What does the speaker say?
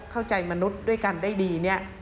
เข้าใจมนุษย์ด้วยกันได้ดีเนี่ย